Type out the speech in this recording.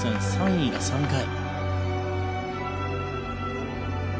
３位が３回。